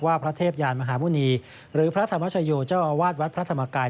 พระเทพยานมหาหมุณีหรือพระธรรมชโยเจ้าอาวาสวัดพระธรรมกาย